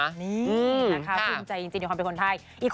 นี่นะคะภูมิใจจริงในความเป็นคนไทย